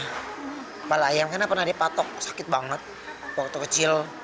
kepala ayam karena pernah dipatok sakit banget waktu kecil